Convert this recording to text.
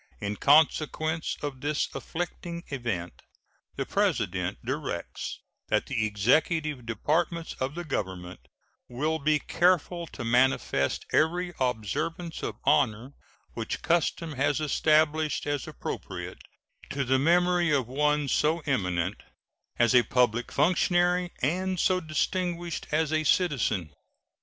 In consequence of this afflicting event the President directs that the Executive Departments of the Government will be careful to manifest every observance of honor which custom has established as appropriate to the memory of one so eminent as a public functionary and so distinguished as a citizen.